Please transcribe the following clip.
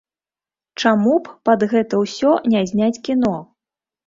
Чаму б пад гэта ўсё не зняць кіно?